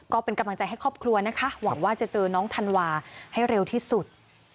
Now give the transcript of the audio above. ก็เป็นกำลังใจให้ครอบครัวนะคะหวังว่าจะเจอน้องธันวาให้เร็วที่สุด